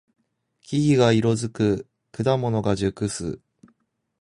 木々が色づく。果物が熟す。